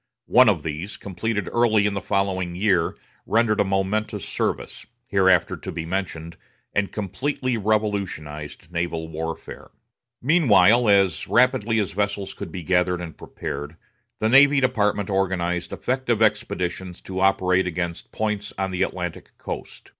One of these, completed early in the following year, rendered a momentous service, hereafter to be mentioned, and completely revolutionized naval warfare. Meanwhile, as rapidly as vessels could be gathered and prepared, the Navy Department organized effective expeditions to operate against points on the Atlantic coast.